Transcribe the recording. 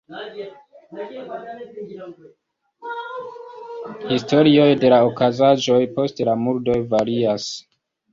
Historioj de la okazaĵoj post la murdoj varias.